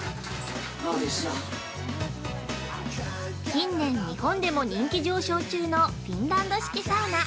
近年、日本でも人気上昇中のフィンランド式サウナ。